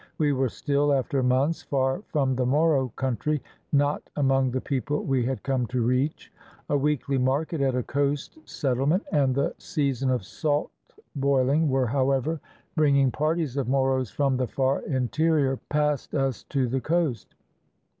We were still, after months, far from the Moro country, not among the people we had come to reach. A weekly market at a coast settle ment, and the season of salt boiling, were, however, 546 PREPARING OUR MOROS FOR GOVERNMENT bringing parties of Moros from the far interior past us to the coast.